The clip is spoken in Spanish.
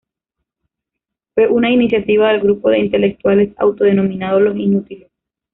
Fue una iniciativa del grupo de intelectuales autodenominados Los Inútiles.